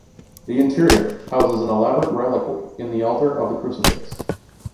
The interior houses an elaborate reliquary in the altar of the Crucifix.